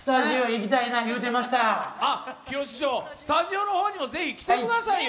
きよし師匠スタジオの方にも来てくださいよ。